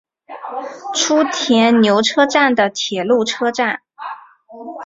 初田牛车站的铁路车站。